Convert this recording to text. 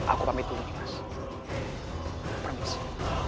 aku pamit dulu